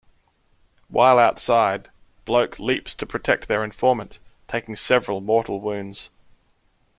While outside, Bloke leaps to protect their informant, taking several mortal wounds.